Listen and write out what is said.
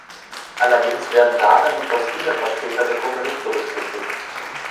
Allerdings werden darin die fossilen Vertreter der Gruppe nicht berücksichtigt.